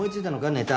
ネタ。